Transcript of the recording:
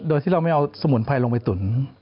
โดยที่เราไม่เอาสมุนไพรลงไปตุ๋น